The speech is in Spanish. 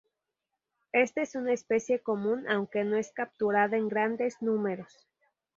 Esta es una especie común, aunque no es capturada en grandes números.